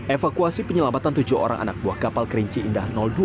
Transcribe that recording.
evakuasi penyelamatan tujuh orang anak buah kapal kerinci indah dua